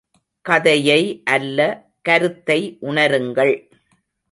கதையை அல்ல கருத்தை உணருங்கள்.